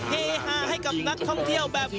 เฮฮาให้กับนักท่องเที่ยวแบบนี้